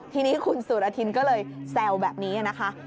ทีนี้คุณสุรทินก็เลยแซวแบบนี้นะคะ